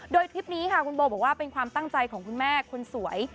โดยคลิปนี้ค่ะคุณโบบอกว่าเป็นความตั้งใจของคุณแม่คนสวย